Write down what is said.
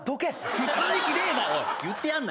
普通にひでえな！